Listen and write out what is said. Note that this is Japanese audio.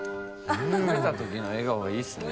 食べた時の笑顔が良いっすね